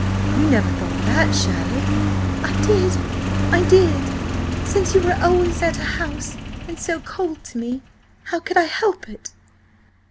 You never thought that, surely?" "I did–I did! Since you were always at her house, and so cold to me–how could I help it?"